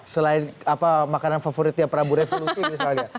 selain makanan favoritnya prabu revolusi misalnya